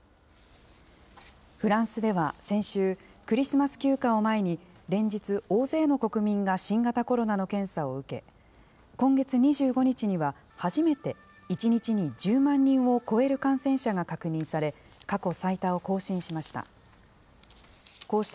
フランスでは先週、クリスマス休暇を前に、連日、大勢の国民が新型コロナの検査を受け、今月２５日には、初めて１日に１０万人を超える感染者が確認され、過去最多を更新しました。